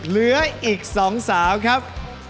เหลืออีก๒สาวครับ